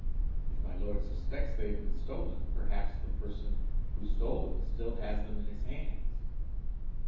"If my Lord suspects they have been stolen, perhaps the person who stole them still has them in his hands."